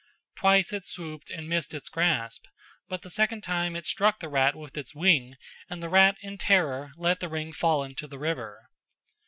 Twice it swooped and missed its grasp but the second time it struck the rat with its wing and the rat in terror let the ring fall into the river.